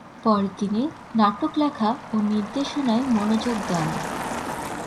পরে তিনি নাটক লেখা ও নির্দেশনায় মনোযোগ দেন।